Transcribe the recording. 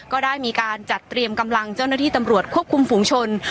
ก็ได้มีการจัดเตรียมกำลังเจ้าหน้าที่ตำรวจควบคุมฝูงชน